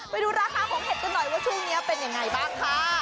ไปดูราคาของเห็ดกันหน่อยว่าช่วงนี้เป็นยังไงบ้างค่ะ